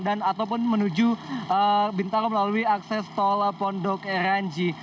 dan ataupun menuju bintaro melalui akses tol pondok rng